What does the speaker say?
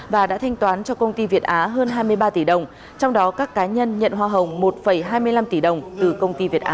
và đã thanh toán cho công ty việt á hơn hai mươi ba tỷ đồng trong đó các cá nhân nhận hoa hồng một hai mươi năm tỷ đồng từ công ty việt á